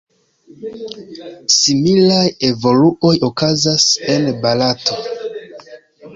Similaj evoluoj okazas en Barato.